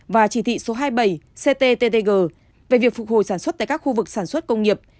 và chỉ thị số hai mươi bảy cttg về việc phục hồi sản xuất tại các khu vực sản xuất công nghiệp